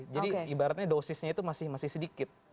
jadi ibaratnya dosisnya itu masih sedikit